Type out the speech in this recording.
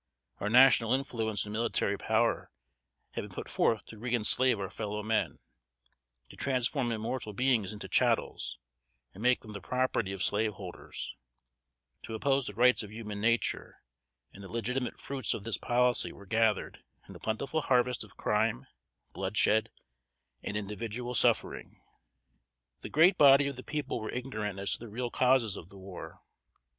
Our national influence and military power had been put forth to reënslave our fellow men; to transform immortal beings into chattels, and make them the property of slaveholders; to oppose the rights of human nature; and the legitimate fruits of this policy were gathered in a plentiful harvest of crime, bloodshed and individual suffering. The great body of the people were ignorant as to the real causes of the war.